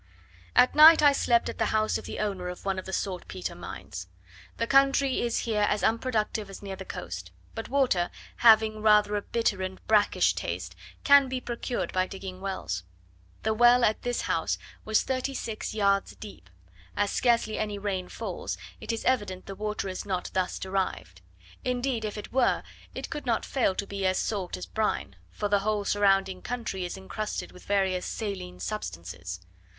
At night I slept at the house of the owner of one of the saltpetre mines. The country is here as unproductive as near the coast; but water, having rather a bitter and brackish taste, can be procured by digging wells. The well at this house was thirty six yards deep: as scarcely any rain falls, it is evident the water is not thus derived; indeed if it were, it could not fail to be as salt as brine, for the whole surrounding country is incrusted with various saline substances.